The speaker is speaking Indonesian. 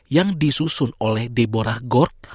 yang disusun oleh deborah gord